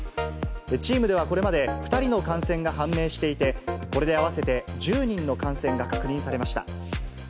チームではこれまで、２人の感染が判明していて、これで合わせて１０人の感染が確認されました。